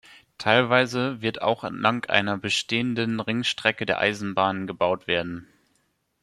Teilweise wird auch entlang einer bestehenden Ringstrecke der Eisenbahn gebaut werden.